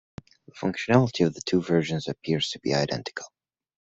The functionality of the two versions appears to be identical.